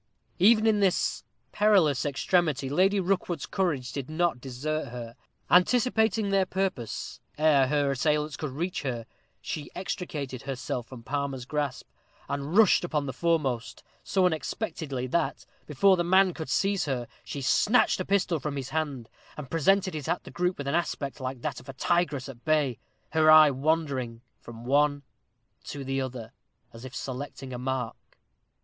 Even in this perilous extremity Lady Rookwood's courage did not desert her. Anticipating their purpose, ere her assailants could reach her she extricated herself from Palmer's grasp, and rushed upon the foremost so unexpectedly, that, before the man could seize her, she snatched a pistol from his hand, and presented it at the group with an aspect like that of a tigress at bay her eye wandering from one to the other, as if selecting a mark.